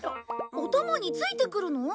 お供について来るの？